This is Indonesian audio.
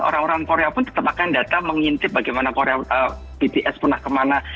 orang orang korea pun tetap akan datang mengintip bagaimana bts pernah kemana